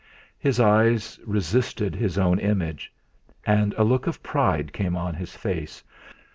His eyes resisted his own image, and a look of pride came on his face.